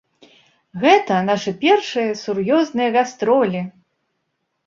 Гэта нашы першыя сур'ёзныя гастролі!